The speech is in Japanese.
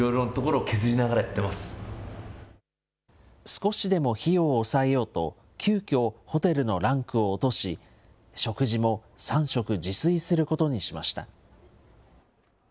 少しでも費用を抑えようと、急きょ、ホテルのランクを落とし、食事も３食自炊することにしました。